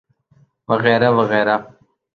وغیرہ وغیرہ۔